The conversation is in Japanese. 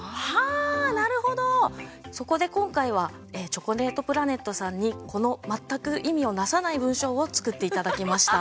そこで今回はチョコレートプラネットさんにこの全く意味をなさない文章を作っていただきました。